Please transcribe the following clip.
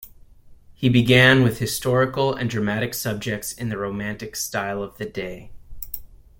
He began with historical and dramatic subjects in the romantic style of the day.